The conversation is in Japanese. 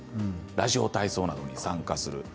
ラジオ体操などに参加する。